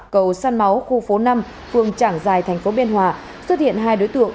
cầu săn máu khu phố năm phường trảng giài tp biên hòa xuất hiện hai đối tượng